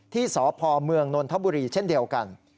ที่สพเมืองนนทบุรีเช่นเดียวกัน